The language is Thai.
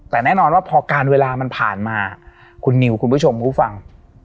แต่แน่นอนว่าพอการเวลามันผ่านมาคุณนิวคุณผู้ชมผู้ฟัง